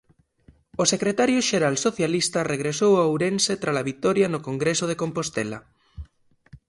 O secretario xeral socialista regresou a Ourense trala vitoria no congreso de Compostela.